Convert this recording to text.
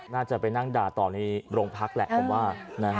น่าจะไปนั่งด่าตอนนี้โรงพักแหละผมว่า